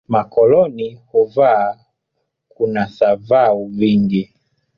Makokoni huva kuna thavau vingi